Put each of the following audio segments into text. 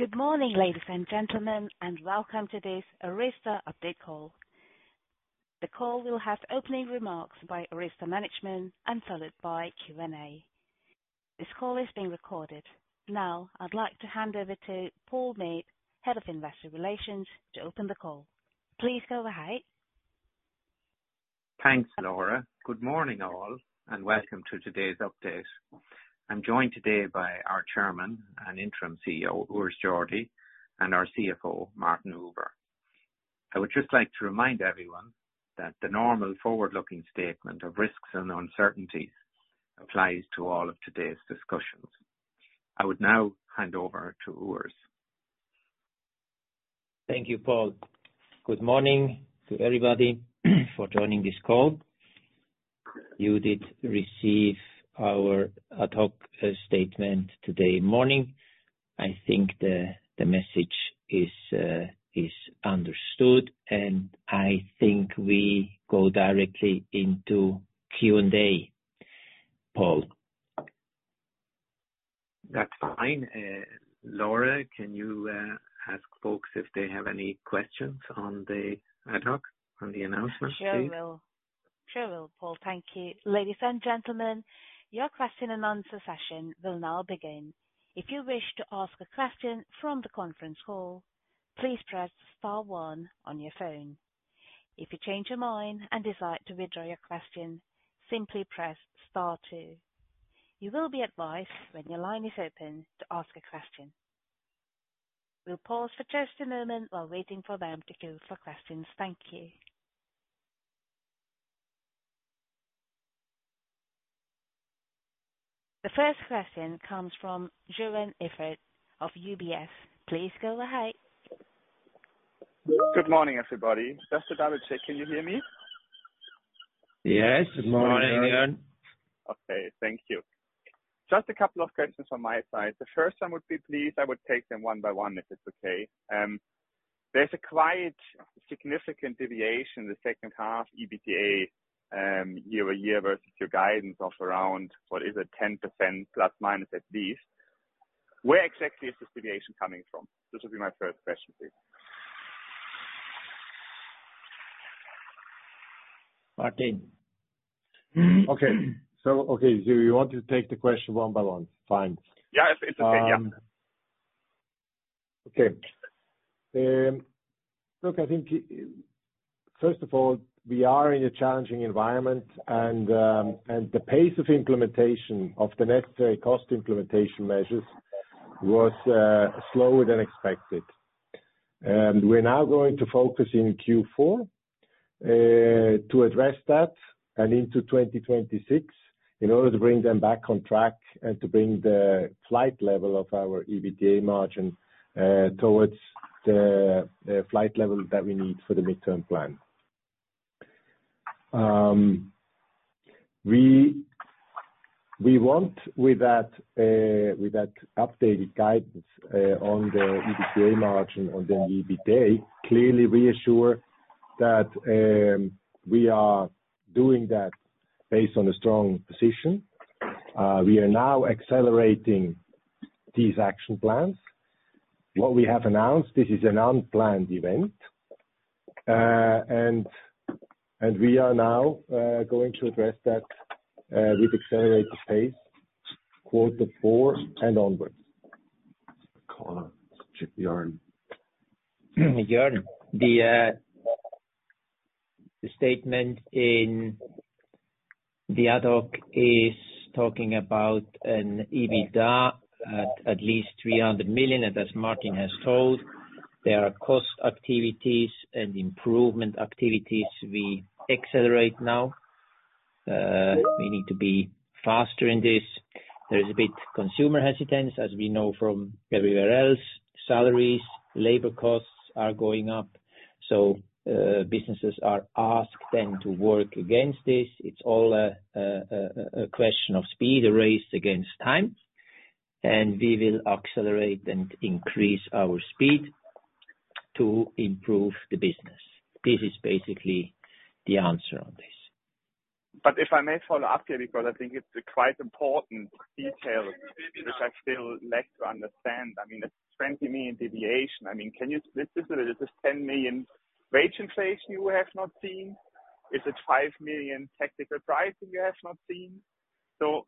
Good morning, ladies and gentlemen, and welcome to this ARYZTA update call. The call will have opening remarks by ARYZTA management and followed by Q&A. This call is being recorded. Now, I'd like to hand over to Paul Meade, Head of Investor Relations, to open the call. Please go ahead. Thanks, Laura. Good morning, all, and welcome to today's update. I'm joined today by our Chairman and Interim CEO, Urs Jordi, and our CFO, Martin Huber. I would just like to remind everyone that the normal forward-looking statement of risks and uncertainties applies to all of today's discussions. I would now hand over to Urs. Thank you, Paul. Good morning to everybody for joining this call. You did receive our ad hoc statement today morning. I think the message is understood, and I think we go directly into Q&A, Paul. That's fine. Laura, can you ask folks if they have any questions on the ad hoc, on the announcement, please? Sure will. Sure will, Paul. Thank you. Ladies and gentlemen, your question and answer session will now begin. If you wish to ask a question from the conference call, please press star one on your phone. If you change your mind and decide to withdraw your question, simply press star two. You will be advised when your line is open to ask a question. We'll pause for just a moment while waiting for them to queue for questions. Thank you. The first question comes from Joern Iffert of UBS. Please go ahead. Good morning, everybody. Just a double-check. Can you hear me? Yes. Good morning, Joern. Good morning, Jon. Okay. Thank you. Just a couple of questions from my side. The first one would be, please. I would take them one by one if it's okay. There's a quite significant deviation in the second half EBITDA year-by-year versus your guidance of around, what is it, 10%± at least. Where exactly is this deviation coming from? This would be my first question, please. Martin. Okay. So you want to take the question one by one? Fine. Yeah. It's okay. Yeah. Okay. Look, I think, first of all, we are in a challenging environment, and the pace of implementation of the necessary cost implementation measures was slower than expected, and we're now going to focus in Q4 to address that and into 2026 in order to bring them back on track and to bring the flight level of our EBITDA margin towards the flight level that we need for the midterm plan. We want, with that updated guidance on the EBITDA margin on the EBITDA, clearly reassure that we are doing that based on a strong position. We are now accelerating these action plans. What we have announced, this is an unplanned event, and we are now going to address that with accelerated pace, quarter four and onwards. Caller. Joern. Joern, the statement in the ad hoc is talking about an EBITDA at least 300 million, and as Martin has told, there are cost activities and improvement activities we accelerate now. We need to be faster in this. There is a bit of consumer hesitance, as we know from everywhere else. Salaries, labor costs are going up, so businesses are asked then to work against this. It's all a question of speed raced against time, and we will accelerate and increase our speed to improve the business. This is basically the answer on this. But if I may follow up here, because I think it's quite important details which I still lack to understand. I mean, it's 20 million deviation. I mean, can you split this a bit? Is this 10 million rate inflation you have not seen? Is it 5 million technical pricing you have not seen? So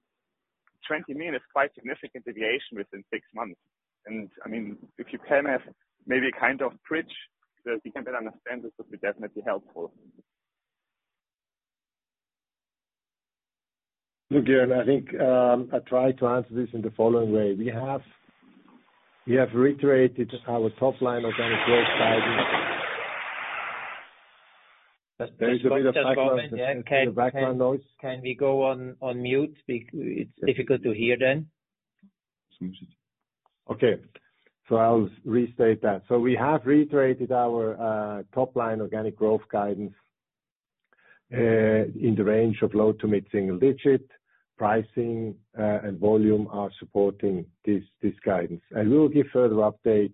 20 million is quite significant deviation within six months. And I mean, if you can have maybe a kind of bridge so that you can better understand this, that would be definitely helpful. Look, Joern, I think I try to answer this in the following way. We have reiterated our top line organic growth guidance. There is a bit of background noise. Can we go on mute? It's difficult to hear then. Okay. So I'll restate that. So we have reiterated our top line organic growth guidance in the range of low- to mid-single-digit. Pricing and volume are supporting this guidance. And we will give further update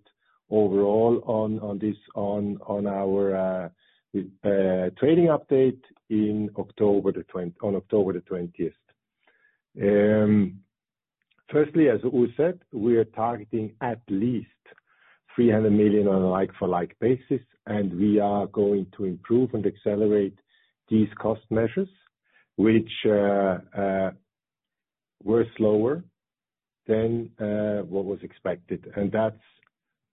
overall on this on our trading update on October the 20th. Firstly, as Urs said, we are targeting at least 300 million on a like-for-like basis, and we are going to improve and accelerate these cost measures, which were slower than what was expected. And that's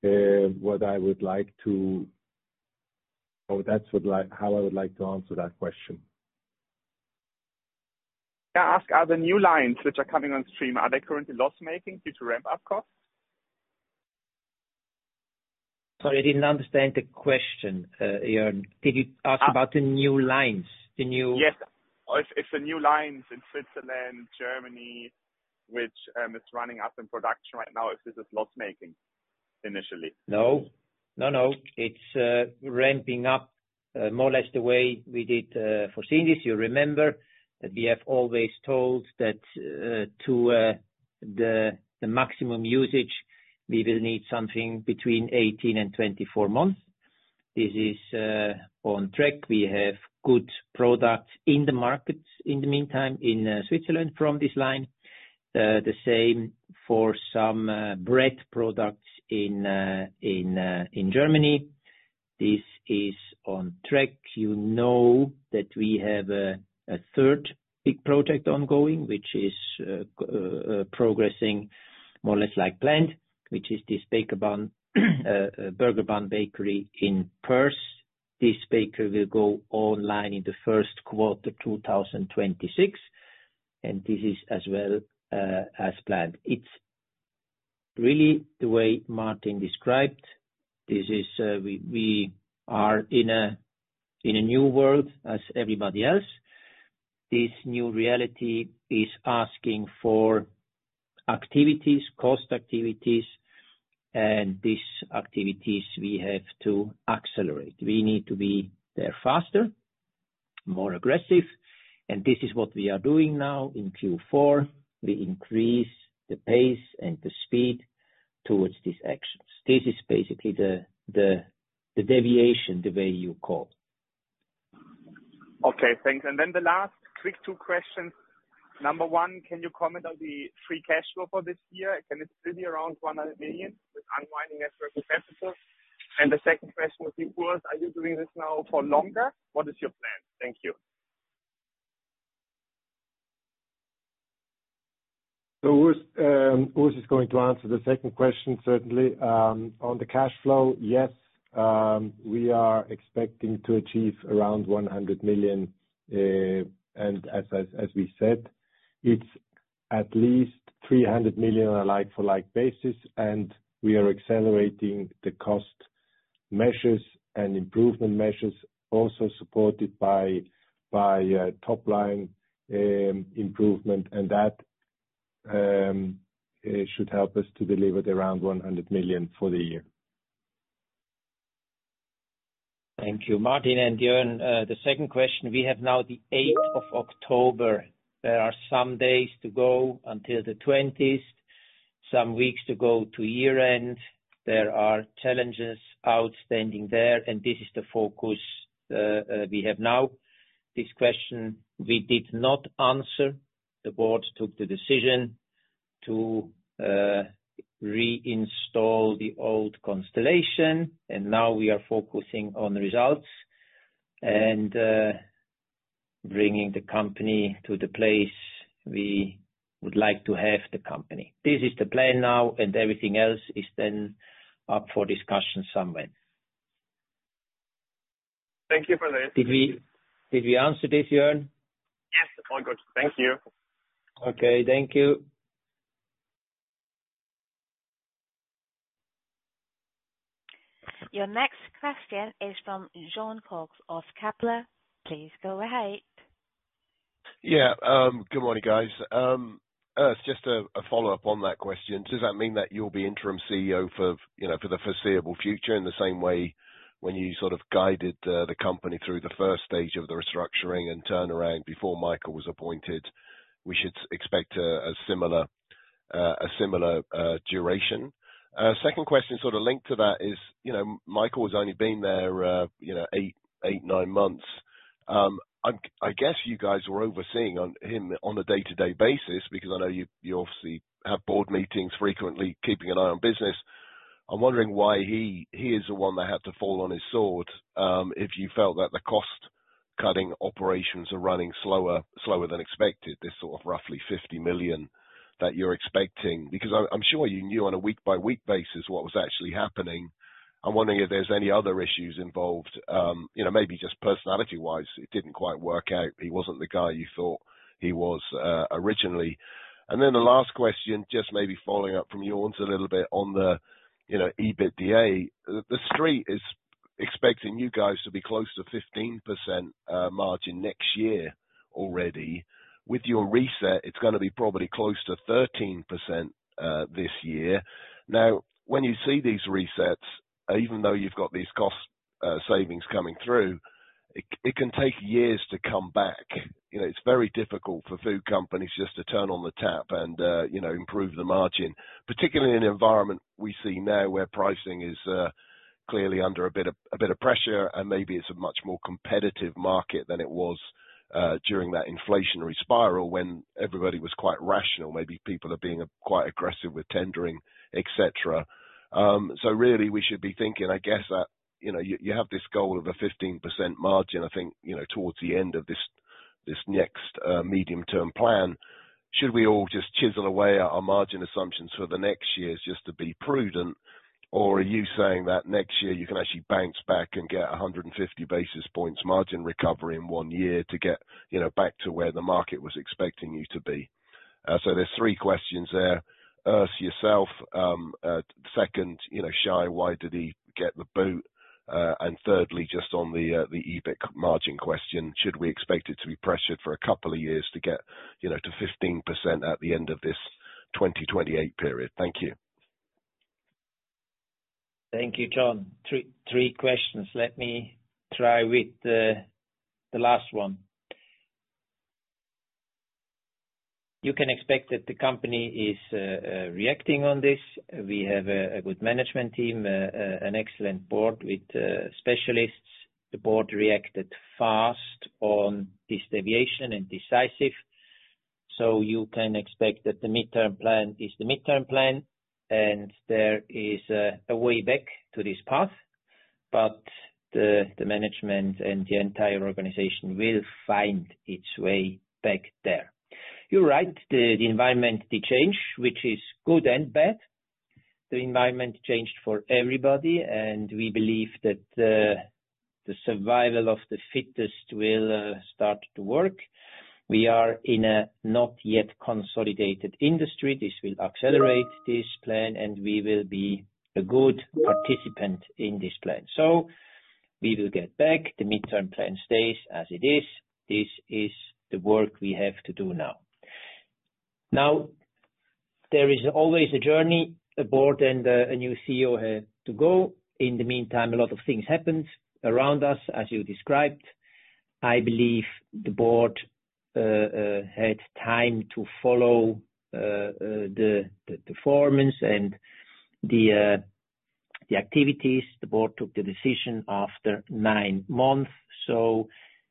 what I would like to. Oh, that's how I would like to answer that question. Can I ask, are the new lines which are coming on stream, are they currently loss-making due to ramp-up costs? Sorry, I didn't understand the question, Joern. Did you ask about the new lines, the new? Yes. It's the new lines in Switzerland, Germany, which is running up in production right now. Is this loss-making initially? No. No, no. It's ramping up more or less the way we did for Cindy's. You remember that we have always told that to the maximum usage, we will need something between 18 and 24 months. This is on track. We have good products in the market in the meantime in Switzerland from this line. The same for some bread products in Germany. This is on track. You know that we have a third big project ongoing, which is progressing more or less like planned, which is this burger bun bakery in Perth. This bakery will go online in the first quarter 2026, and this is as well as planned. It's really the way Martin described. We are in a new world as everybody else. This new reality is asking for activities, cost activities, and these activities we have to accelerate. We need to be there faster, more aggressive, and this is what we are doing now in Q4. We increase the pace and the speed towards these actions. This is basically the deviation, the way you call. Okay. Thanks. And then the last quick two questions. Number one, can you comment on the free cash flow for this year? Can it still be around 100 million with unwinding net working capital? And the second question would be, Urs, are you doing this now for longer? What is your plan? Thank you. Urs is going to answer the second question, certainly. On the cash flow, yes, we are expecting to achieve around 100 million. And as we said, it's at least 300 million on a like-for-like basis, and we are accelerating the cost measures and improvement measures also supported by top line improvement, and that should help us to deliver around 100 million for the year. Thank you. Martin and Joern, the second question, we have now the 8th of October. There are some days to go until the 20th, some weeks to go to year-end. There are challenges outstanding there, and this is the focus we have now. This question we did not answer. The board took the decision to reinstall the old constellation, and now we are focusing on results and bringing the company to the place we would like to have the company. This is the plan now, and everything else is then up for discussion somewhere. Thank you for this. Did we answer this, Joern? Yes. All good. Thank you. Okay. Thank you. Your next question is from Jon Cox of Kepler. Please go ahead. Yeah. Good morning, guys. It's just a follow-up on that question. Does that mean that you'll be Interim CEO for the foreseeable future in the same way when you sort of guided the company through the first stage of the restructuring and turnaround before Michael was appointed? We should expect a similar duration. Second question sort of linked to that is Michael has only been there eight, nine months. I guess you guys were overseeing him on a day-to-day basis because I know you obviously have board meetings frequently, keeping an eye on business. I'm wondering why he is the one that had to fall on his sword if you felt that the cost-cutting operations are running slower than expected, this sort of roughly 50 million that you're expecting. Because I'm sure you knew on a week-by-week basis what was actually happening. I'm wondering if there's any other issues involved, maybe just personality-wise. It didn't quite work out. He wasn't the guy you thought he was originally. And then the last question, just maybe following up from Joern's a little bit on the EBITDA, the street is expecting you guys to be close to 15% margin next year already. With your reset, it's going to be probably close to 13% this year. Now, when you see these resets, even though you've got these cost savings coming through, it can take years to come back. It's very difficult for food companies just to turn on the tap and improve the margin, particularly in an environment we see now where pricing is clearly under a bit of pressure, and maybe it's a much more competitive market than it was during that inflationary spiral when everybody was quite rational. Maybe people are being quite aggressive with tendering, etc. So really, we should be thinking, I guess, that you have this goal of a 15% margin, I think, towards the end of this next medium-term plan. Should we all just chisel away our margin assumptions for the next years just to be prudent, or are you saying that next year you can actually bounce back and get 150 basis points margin recovery in one year to get back to where the market was expecting you to be? So there's three questions there. Urs, yourself. Second, Schai, why did he get the boot? And thirdly, just on the EBIT margin question, should we expect it to be pressured for a couple of years to get to 15% at the end of this 2028 period? Thank you. Thank you, Jon. Three questions. Let me try with the last one. You can expect that the company is reacting on this. We have a good management team, an excellent board with specialists. The board reacted fast on this deviation and decisive. So you can expect that the mid-term plan is the mid-term plan, and there is a way back to this path, but the management and the entire organization will find its way back there. You're right. The environment, the change, which is good and bad. The environment changed for everybody, and we believe that the survival of the fittest will start to work. We are in a not yet consolidated industry. This will accelerate this plan, and we will be a good participant in this plan. So we will get back. The mid-term plan stays as it is. This is the work we have to do now. Now, there is always a journey on board and a new CEO to go. In the meantime, a lot of things happened around us, as you described. I believe the board had time to follow the performance and the activities. The board took the decision after nine months, so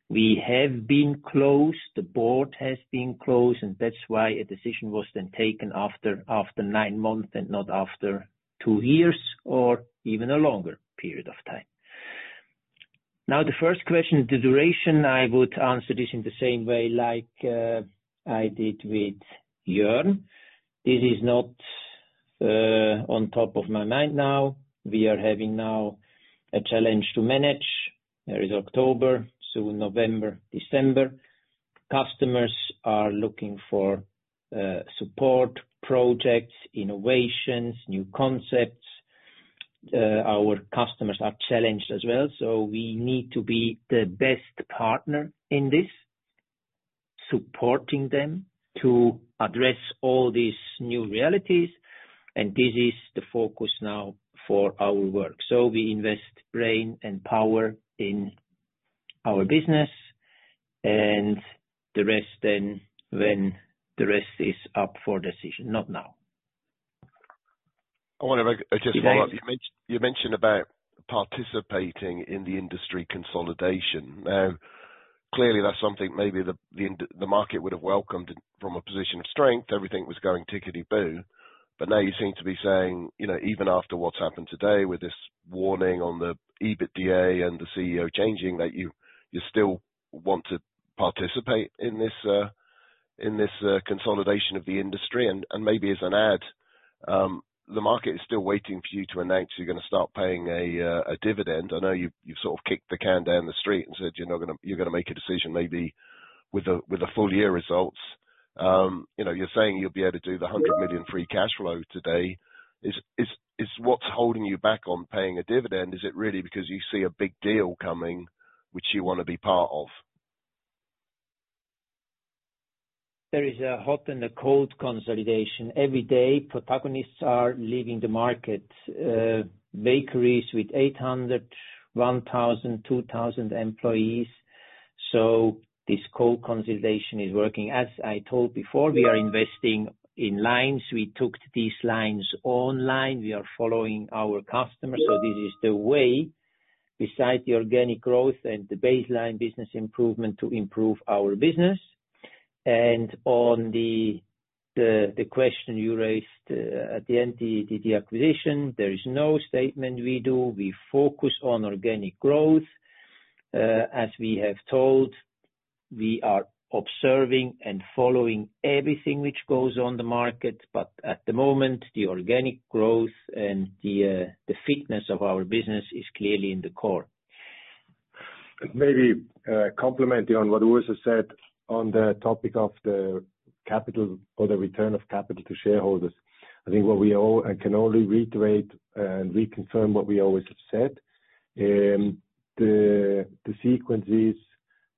we have been close. The board has been close, and that's why a decision was then taken after nine months and not after two years or even a longer period of time. Now, the first question, the duration, I would answer this in the same way like I did with Joern. This is not top of my mind now. We are having now a challenge to manage. There is October, soon November, December. Customers are looking for support, projects, innovations, new concepts. Our customers are challenged as well, so we need to be the best partner in this, supporting them to address all these new realities. And this is the focus now for our work. So we invest brain and power in our business, and the rest then when the rest is up for decision, not now. I want to just follow up. You mentioned about participating in the industry consolidation. Now, clearly, that's something maybe the market would have welcomed from a position of strength. Everything was going tickety-boo. But now you seem to be saying, even after what's happened today with this warning on the EBITDA and the CEO changing, that you still want to participate in this consolidation of the industry. And maybe as an add, the market is still waiting for you to announce you're going to start paying a dividend. I know you've sort of kicked the can down the street and said you're going to make a decision maybe with the full year results. You're saying you'll be able to do the 100 million free cash flow today. What's holding you back on paying a dividend? Is it really because you see a big deal coming which you want to be part of? There is a hot and a cold consolidation. Every day, protagonists are leaving the market, bakeries with 800, 1,000, 2,000 employees, so this cold consolidation is working. As I told before, we are investing in lines. We took these lines online. We are following our customers, so this is the way, besides the organic growth and the baseline business improvement, to improve our business, and on the question you raised at the end, the acquisition, there is no statement we do. We focus on organic growth. As we have told, we are observing and following everything which goes on the market, but at the moment, the organic growth and the fitness of our business is clearly in the core. Maybe commenting on what Urs has said on the topic of the capital or the return of capital to shareholders, I think what we can only reiterate and reconfirm what we always have said. The sequence is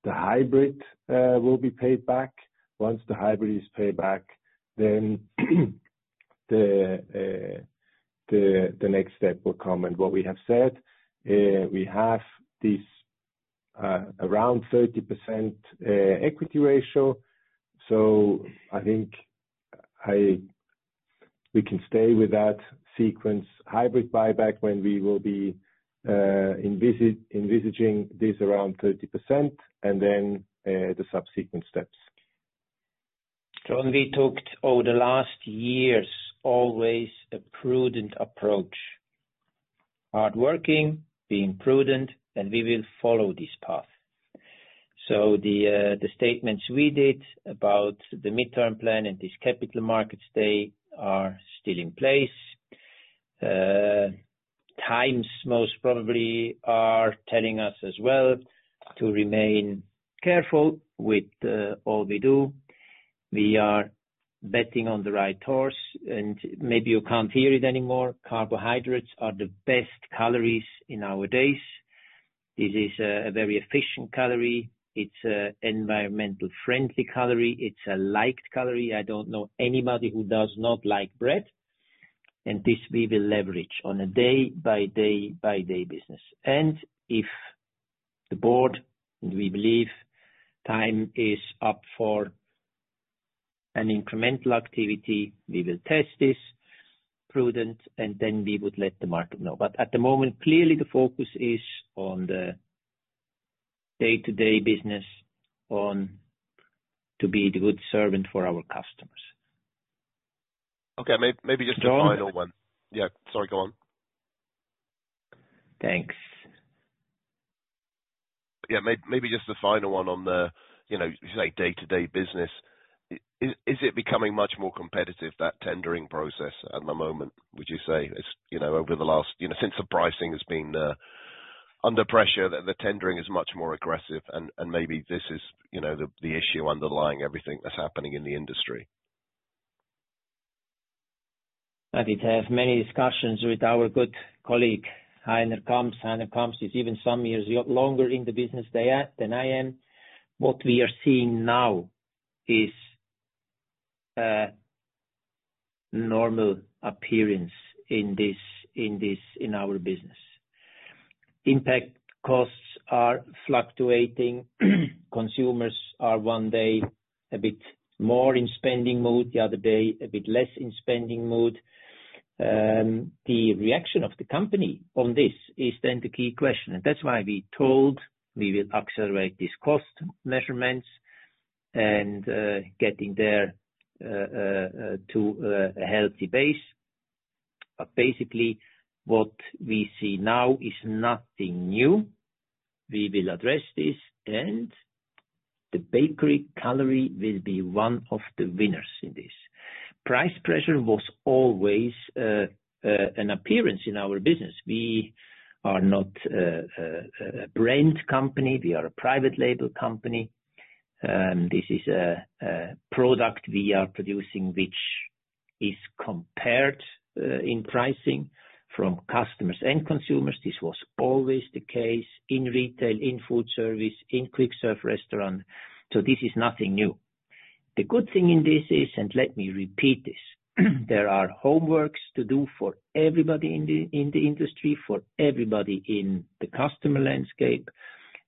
the hybrid will be paid back. Once the hybrid is paid back, then the next step will come. And what we have said, we have this around 30% equity ratio. So I think we can stay with that sequence, hybrid buyback when we will be envisaging this around 30%, and then the subsequent steps. Jon, we took over the last years always a prudent approach, hardworking, being prudent, and we will follow this path. So the statements we did about the midterm plan and this Capital Markets Day are still in place. Times most probably are telling us as well to remain careful with all we do. We are betting on the right horse. And maybe you can't hear it anymore. Carbohydrates are the best calories in our days. This is a very efficient calorie. It's an environmentally friendly calorie. It's a liked calorie. I don't know anybody who does not like bread. And this we will leverage on a day-by-day business. And if the board, we believe, time is up for an incremental activity, we will test this prudently, and then we would let the market know. But at the moment, clearly, the focus is on the day-to-day business, on to be the good servant for our customers. Okay. Maybe just a final one. Yeah. Sorry. Go on. Thanks. Yeah. Maybe just a final one on the, say, day-to-day business. Is it becoming much more competitive, that tendering process at the moment, would you say, over the last since the pricing has been under pressure, that the tendering is much more aggressive? And maybe this is the issue underlying everything that's happening in the industry. I did have many discussions with our good colleague, Heiner Kamps. Heiner Kamps is even some years longer in the business than I am. What we are seeing now is normal appearance in our business. Input costs are fluctuating. Consumers are one day a bit more in spending mood, the other day a bit less in spending mood. The reaction of the company on this is then the key question, and that's why we told we will accelerate these cost measures and getting there to a healthy base, but basically, what we see now is nothing new. We will address this, and the bakery category will be one of the winners in this. Price pressure was always an appearance in our business. We are not a brand company. We are a private label company. This is a product we are producing which is compared in pricing from customers and consumers. This was always the case in retail, in food service, in quick-serve restaurants. So this is nothing new. The good thing in this is, and let me repeat this, there are homeworks to do for everybody in the industry, for everybody in the customer landscape.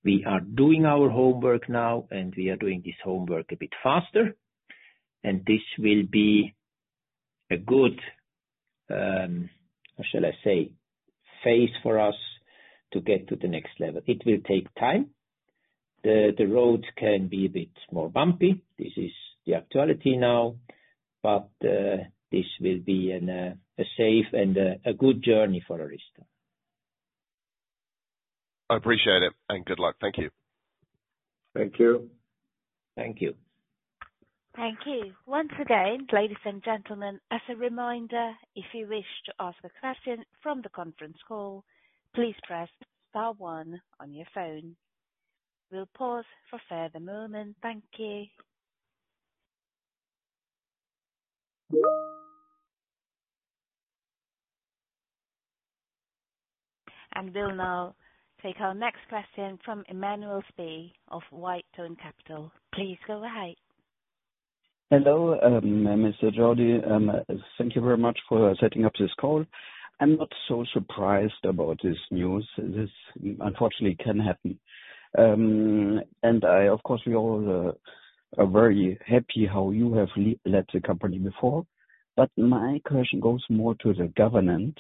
We are doing our homework now, and we are doing this homework a bit faster. And this will be a good, how shall I say, phase for us to get to the next level. It will take time. The road can be a bit more bumpy. This is the actuality now, but this will be a safe and a good journey for ARYZTA. I appreciate it. And good luck. Thank you. Thank you. Thank you. Thank you. Once again, ladies and gentlemen, as a reminder, if you wish to ask a question from the conference call, please press star one on your phone. We'll pause for a further moment. Thank you. And we'll now take our next question from Emanuel Spee of Wildhorn Capital. Please go ahead. Hello, Mr. Jordi. Thank you very much for setting up this call. I'm not so surprised about this news. This, unfortunately, can happen, and I, of course, we all are very happy how you have led the company before, but my question goes more to the governance.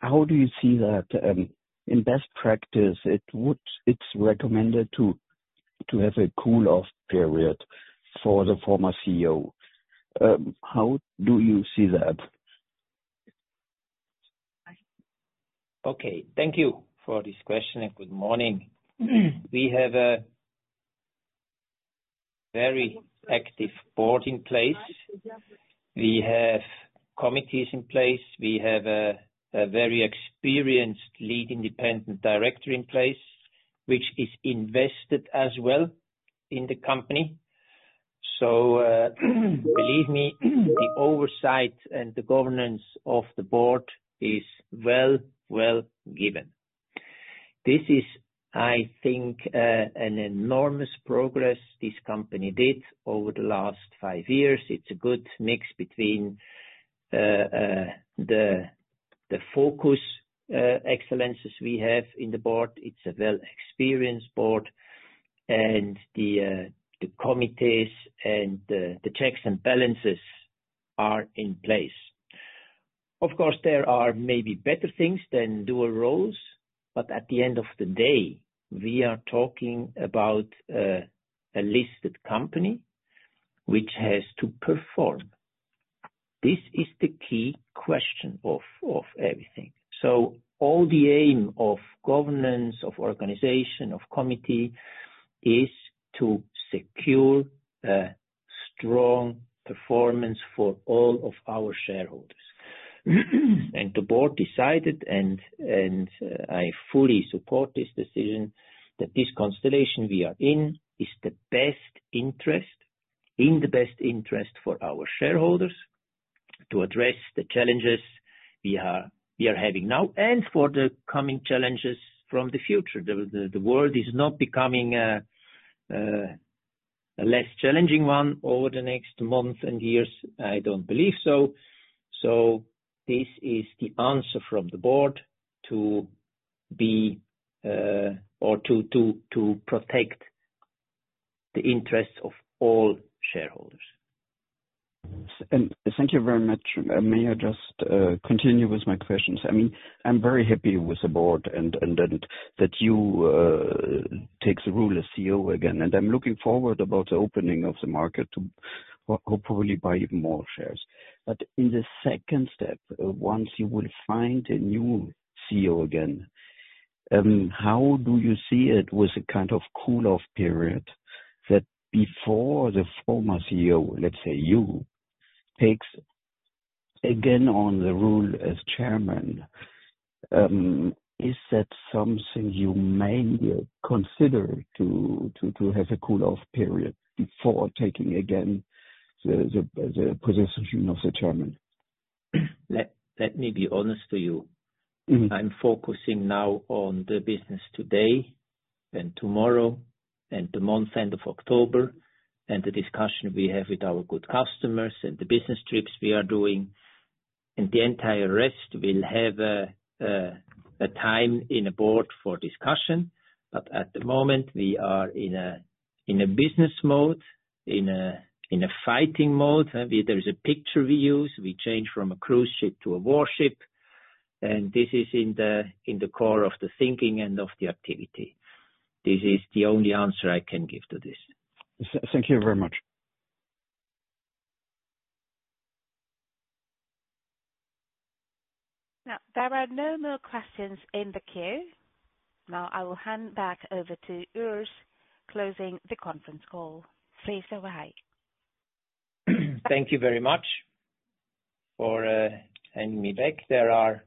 How do you see that in best practice it's recommended to have a cooling-off period for the former CEO? How do you see that? Okay. Thank you for this question and good morning. We have a very active board in place. We have committees in place. We have a very experienced lead independent director in place, which is invested as well in the company, so believe me, the oversight and the governance of the board is well, well given. This is, I think, an enormous progress this company did over the last five years. It's a good mix between the focus excellences we have in the board. It's a well-experienced board, and the committees and the checks and balances are in place. Of course, there are maybe better things than dual roles, but at the end of the day, we are talking about a listed company which has to perform. This is the key question of everything. So all the aim of governance, of organization, of committee is to secure a strong performance for all of our shareholders. And the board decided, and I fully support this decision, that this constellation we are in is the best interest, in the best interest for our shareholders to address the challenges we are having now and for the coming challenges from the future. The world is not becoming a less challenging one over the next months and years. I don't believe so. So this is the answer from the board to be or to protect the interests of all shareholders. Thank you very much. May I just continue with my questions? I mean, I'm very happy with the board and that you take the role as CEO again. And I'm looking forward to the opening of the market to hopefully buy even more shares. But in the second step, once you will find a new CEO again, how do you see it with a kind of cooling-off period that before the former CEO, let's say you, takes again on the role as Chairman? Is that something you may consider to have a cooling-off period before taking again the position of the Chairman? Let me be honest with you. I'm focusing now on the business today and tomorrow and the month end of October and the discussion we have with our good customers and the business trips we are doing. And the entire rest will have a time in a board for discussion. But at the moment, we are in a business mode, in a fighting mode. There is a picture we use. We change from a cruise ship to a warship. And this is in the core of the thinking and of the activity. This is the only answer I can give to this. Thank you very much. There are no more questions in the queue. Now, I will hand back over to Urs closing the conference call. Please go ahead. Thank you very much for having me back. There are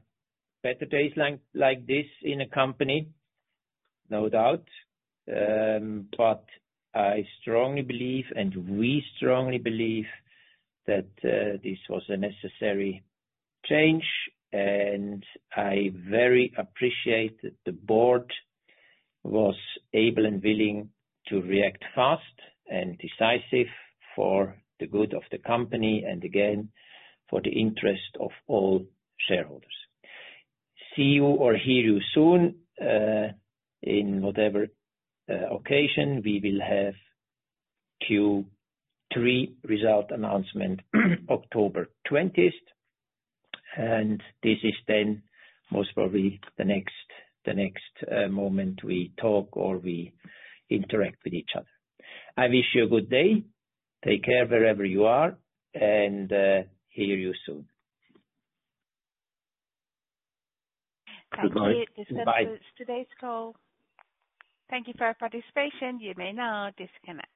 better days like this in a company, no doubt. But I strongly believe, and we strongly believe, that this was a necessary change. And I very appreciate that the board was able and willing to react fast and decisive for the good of the company and, again, for the interest of all shareholders. See you or hear you soon in whatever occasion. We will have Q3 result announcement October 20th. And this is then most probably the next moment we talk or we interact with each other. I wish you a good day. Take care wherever you are. And hear you soon. Thank you. Goodbye. Goodbye. This concludes today's call. Thank you for your participation. You may now disconnect.